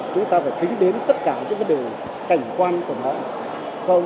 chúng ta phải tính đến tất cả những vấn đề cảnh quan của nó